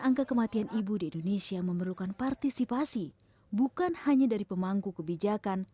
angka kematian ibu di indonesia memerlukan partisipasi bukan hanya dari pemangku kebijakan